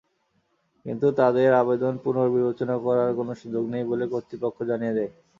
কিন্তু তাদের আবেদন পুনর্বিবেচনা করার কোনো সুযোগ নেই বলে কর্তৃপক্ষ জানিয়ে দেয়।